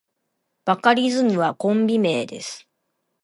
バカリズムはコンビ名です。